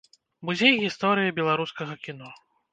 Музей гісторыі беларускага кіно.